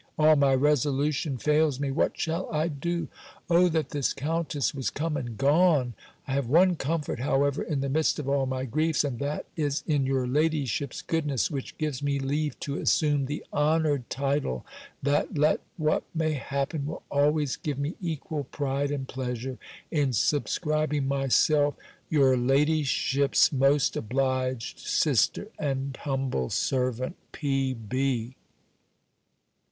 All my resolution fails me; what shall I do? O that this countess was come and gone! I have one comfort, however, in the midst of all my griefs; and that is in your ladyship's goodness, which gives me leave to assume the honoured title, that let what may happen, will always give me equal pride and pleasure, in subscribing myself, your ladyship's most obliged sister, and humble servant, P.B.